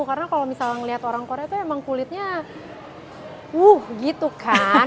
karena kalau misalnya ngelihat orang korea tuh emang kulitnya wuh gitu kan